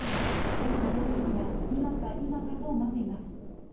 多くの報道陣が、今か今かと待っています。